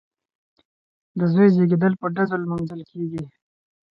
د زوی زیږیدل په ډزو لمانځل کیږي.